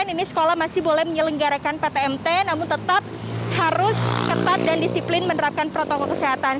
ini sekolah masih boleh menyelenggarakan ptmt namun tetap harus ketat dan disiplin menerapkan protokol kesehatan